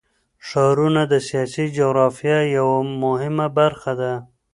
ښارونه د سیاسي جغرافیه یوه مهمه برخه ده.